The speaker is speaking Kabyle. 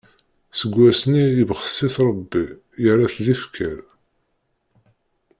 Seg wass-nni, ibxes-it Rebbi, yerra-t d ifker.